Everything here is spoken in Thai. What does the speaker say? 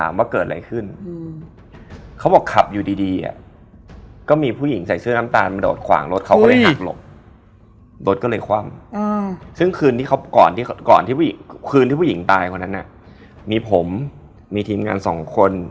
ไม่ใช่แค่พี่คนนี้คนเดียวที่ทัก